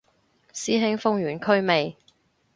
師兄封完區未